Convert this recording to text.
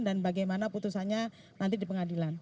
dan bagaimana putusannya nanti di pengadilan